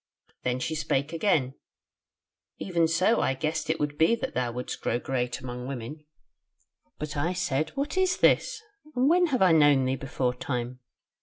Then she spake again: 'Even so I guessed it would be that thou wouldst grow great amongst women.' "But I said, 'What is this? and when have I known thee before time?'